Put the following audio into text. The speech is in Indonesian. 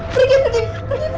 pergi pergi pergi pergi